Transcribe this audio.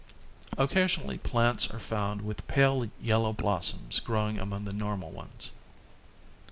Occasionally plants are found with pale yellow blossoms growing among the normal ones.